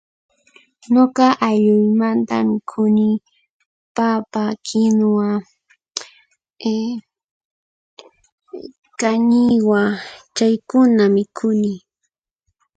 Ñuqa aylluymanta mikhuni, papa, kinua, kañiwa, chaykuna mikhuni.